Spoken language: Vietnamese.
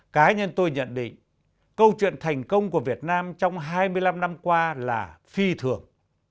cá nhân tôi nhận định câu chuyện thành công của việt nam trong hai mươi năm năm qua là phi thường